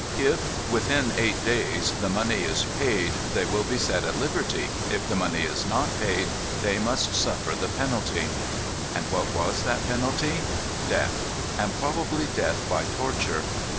If within eight days the money is paid, they will be set at liberty. If the money is not paid, they must suffer the penalty." And what was that penalty? Death; and probably death by torture.